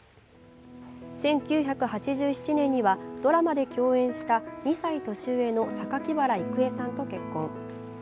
１９８７年にはドラマで共演した２歳年上の榊原郁恵さんと結婚。